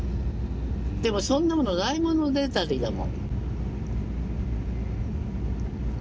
でもそんなものないものねだりだもん。